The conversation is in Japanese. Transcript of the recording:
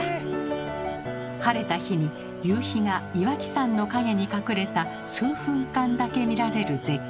晴れた日に夕日が岩木山の陰に隠れた数分間だけ見られる絶景。